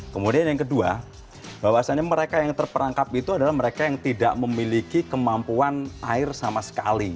kemudian yang kedua bahwasannya mereka yang terperangkap itu adalah mereka yang tidak memiliki kemampuan air sama sekali